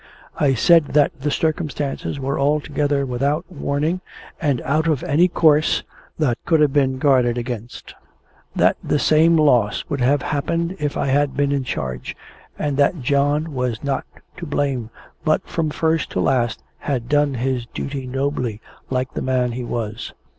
I said that the circumstances were altogether without warning, and out of any course that could have been guarded against; that the same loss would have happened if I had been in charge; and that John was not to blame, but from first to last had done his duty nobly, like the man he was.